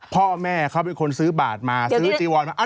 พ่อแม่เขาเป็นคนซื้อบาทมาซื้อจีวอนมา